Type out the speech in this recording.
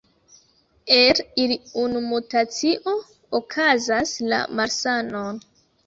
El ili unu mutacio okazas la malsanon.